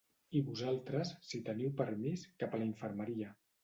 I vosaltres, si teniu permís, cap a la infermeria!